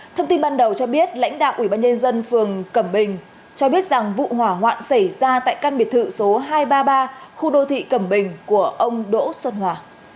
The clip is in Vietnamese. thông tin ban đầu cho biết lãnh đạo ủy ban nhân dân phường cẩm bình cho biết rằng vụ hỏa hoạn xảy ra tại căn biệt thự số hai trăm ba mươi ba khu đô thị cẩm bình của ông đỗ xuân hòa